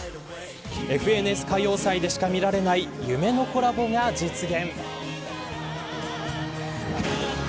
ＦＮＳ歌謡祭でしか見られない夢のコラボが実現。